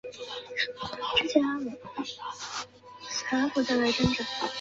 事故未造成人员伤亡。